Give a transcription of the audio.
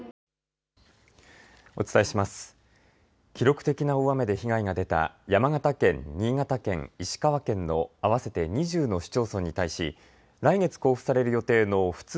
記録的な大雨で被害が出た山形県、新潟県、石川県の合わせて２０の市町村に対し来月交付される予定の普通